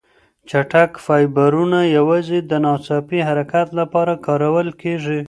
چټک فایبرونه یوازې د ناڅاپي حرکت لپاره کارول کېږي.